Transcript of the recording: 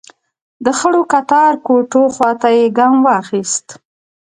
د خړو کتار کوټو خواته يې ګام واخيست.